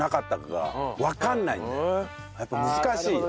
やっぱ難しい。